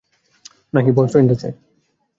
না-কি boyfriend আছে?